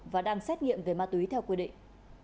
và đang xét nghiệm về ma túy theo quy định